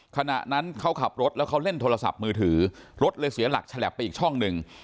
ขณะนั้นเขาขับรถแล้วเขาเล่นโทรศัพท์มือถือรถเลยเสียหลักฉลับไปอีกช่องหนึ่ง